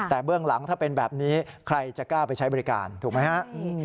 แต่เบื้องหลังถ้าเป็นแบบนี้ใครจะกล้าไปใช้บริการถูกไหมฮะ